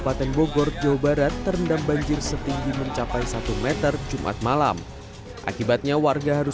kabupaten bogor jawa barat terendam banjir setinggi mencapai satu meter jumat malam akibatnya warga harus